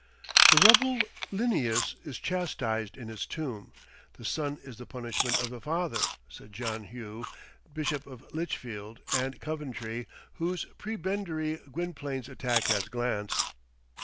"The rebel Linnæus is chastised in his tomb. The son is the punishment of the father," said John Hough, Bishop of Lichfield and Coventry, whose prebendary Gwynplaine's attack had glanced.